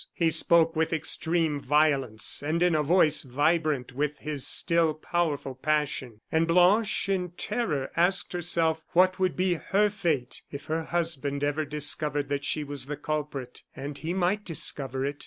He spoke with extreme violence and in a voice vibrant with his still powerful passion. And Blanche, in terror, asked herself what would be her fate if her husband ever discovered that she was the culprit and he might discover it.